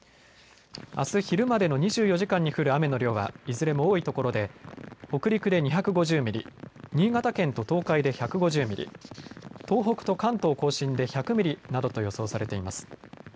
あす昼までの２４時間に降る雨の量はいずれも多いところで北陸で２５０ミリ、新潟県と東海で１５０ミリ、東北と関東甲信で１００ミリなどと予想されています。